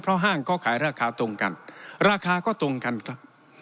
ห้างก็ขายราคาตรงกันราคาก็ตรงกันครับ